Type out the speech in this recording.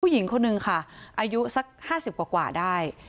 ผู้หญิงคนนึงค่ะอายุสัก๕๐กว่าได้